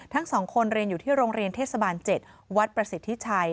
ทั้ง๒คนเรียนอยู่ที่โรงเรียนเทศบาล๗วัดประสิทธิชัย